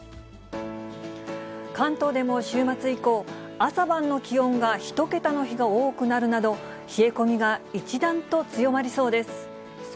関東でも週末以降、朝晩の気温が１桁の日が多くなるなど、冷え込みが一段と強まりそ